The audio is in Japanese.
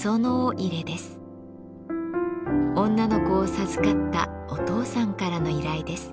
女の子を授かったお父さんからの依頼です。